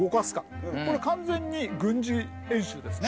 これ完全に軍事演習ですね。